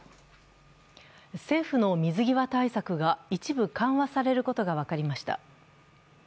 政府の水際対策が一部緩和されることが分かりました。